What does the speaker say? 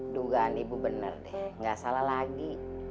dugaan ibu bener deh gak salah lagi